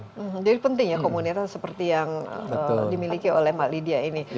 jadi penting ya komunitas seperti yang dimiliki oleh mak lydia ini